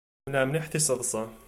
Ḥemmleɣ mliḥ tiseḍṣa.